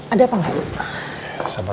ada apa gak ibu